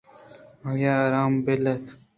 آئی ءَآرام ءَ بِلّ اِت